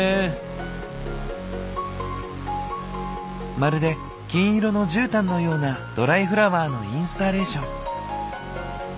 まるで金色の絨毯のようなドライフラワーのインスタレーション。